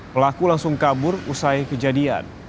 pelaku langsung kabur usai kejadian